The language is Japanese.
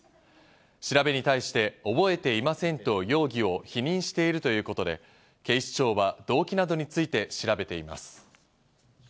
調べに対して、覚えていませんと容疑を否認しているということで、警視庁は動機などについて調べています。